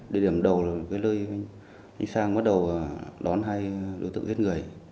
địa điểm đầu là lơi anh sang bắt đầu đón hai đối tượng giết người